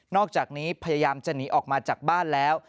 อกจากนี้พยายามจะหนีออกมาจากบ้านแล้ว